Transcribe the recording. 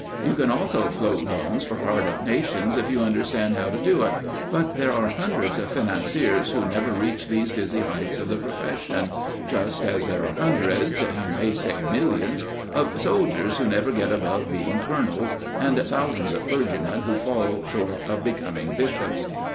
You can also float loans for hard up nations if you understand how to do it, but there are hundreds of financiers who never reach these dizzy heights of the profession, just as there are hundreds you may say millions of soldiers who never get above being colonels, and thousands of clergymen who fall short of becoming bishops.